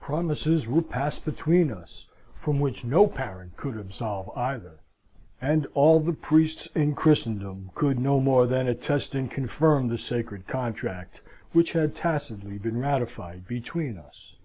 Promises were passed between us, from which no parent could absolve either; and all the priests in Christendom could no more than attest and confirm the sacred contract which had tacitly been ratified between us.